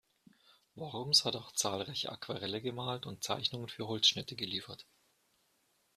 Worms hat auch zahlreiche Aquarelle gemalt und Zeichnungen für Holzschnitte geliefert.